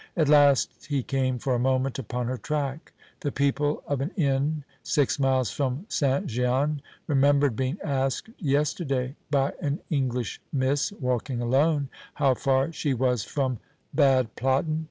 At last he came for a moment upon her track. The people of an inn six miles from St. Gian remembered being asked yesterday by an English miss, walking alone, how far she was from Bad Platten.